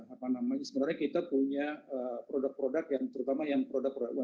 apa namanya sebenarnya kita punya produk produk yang terutama yang produk produk umkm